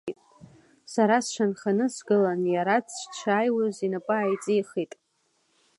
Сара сшанханы сгылан, иара дшааиуаз инапы ааиҵихит…